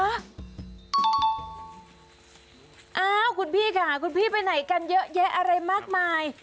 อ้าวคุณพี่ค่ะคุณพี่ไปไหนกันเยอะแยะอะไรมากมาย